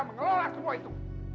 mengelola semua itu